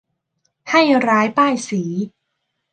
ให้ร้ายป้ายสี